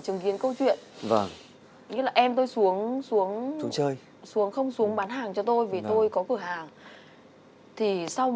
chồng mình ngộ với em của mình